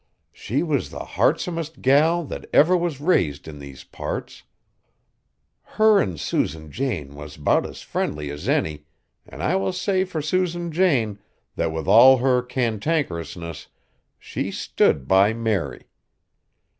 She was the heartsomest gal that ever was raised in these parts. Her an' Susan Jane was 'bout as friendly as any, an' I will say fur Susan Jane, that with all her cantankerousness, she stood by Mary.